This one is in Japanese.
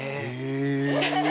え！